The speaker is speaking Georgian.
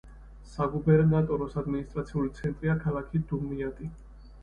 საგუბერნატოროს ადმინისტრაციული ცენტრია ქალაქი დუმიატი.